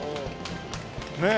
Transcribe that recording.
ねえ。